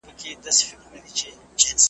د هغه مور او پلار د امریکا د داخلي .